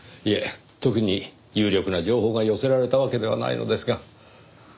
いえ特に有力な情報が寄せられたわけではないのですが。